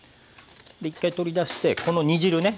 で１回取り出してこの煮汁ね